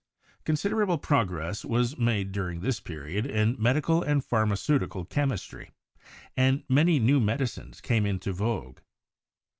Considerable progress was made during this period in medical and pharmaceutical chemistry, and many new medicines came into vogue.